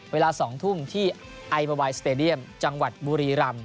เวลา๒ทุ่มที่ไอเบอร์วายสเตดียมจังหวัดบุรีรำ